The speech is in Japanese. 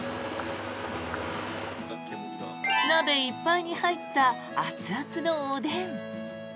鍋いっぱいに入った熱々のおでん。